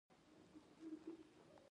څنګه کولی شم فطرې ورکړم